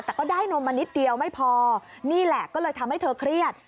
แต่ก็ได้นมมานิดเดียวไม่พอนี่แหละก็เลยทำให้เธอเครียด